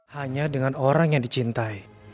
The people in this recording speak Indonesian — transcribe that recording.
hanya dengan orang yang dicintai